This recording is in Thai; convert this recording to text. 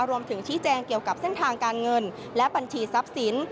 รวมถึงชี้แจงเกี่ยวกับเส้นทางการเงินและบัญชีทรัพย์สิน